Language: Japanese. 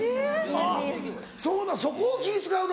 あっそこを気ぃ使うの。